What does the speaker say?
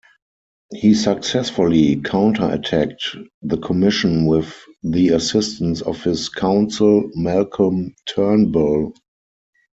He successfully counter-attacked the Commission with the assistance of his counsel Malcolm Turnbull.